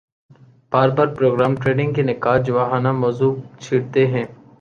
باربار programme trading کے نقّاد جواخانہ موضوع چھیڑتے ہیں